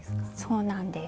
そうなんです。